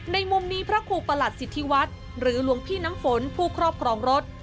ในมุมนี้พระครูประหลัดสิทธิวัฒน์หรือหลวงพี่น้ำฝนผู้ครอบครองรถ